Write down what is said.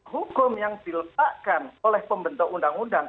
hukum yang diletakkan oleh pembentuk undang undang